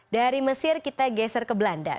dari mesir kita geser ke belanda